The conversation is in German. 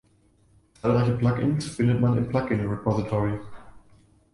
Zahlreiche Plug-ins findet man im „Plug-in Repository“.